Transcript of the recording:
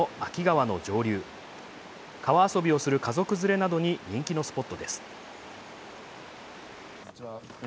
川遊びをする家族連れなどに人気のスポットです。